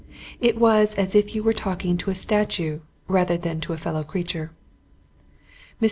It was as if you were talking to a statue rather than to a fellow creature. Mr.